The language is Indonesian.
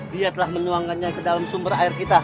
dia telah menuangkannya ke dalam sumber air kita